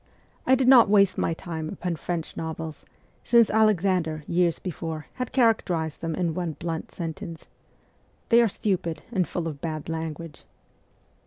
I did not waste my time upon French novels, since Alexander, years before, had characterized them in one blunt sentence :' They are stupid and full of bad language.'